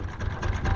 berumur dua tahun